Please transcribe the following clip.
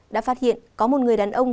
đã phát hiện có một người đàn ông